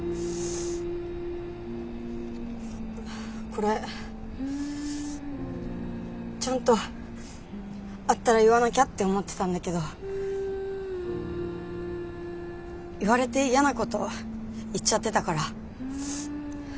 これちゃんと会ったら言わなきゃって思ってたんだけど言われてやなこと言っちゃってたから。